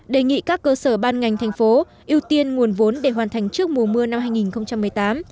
đề nghị các cơ sở ban ngành thành phố ưu tiên nguồn vốn để hoàn thành trước mùa mưa năm hai nghìn một mươi tám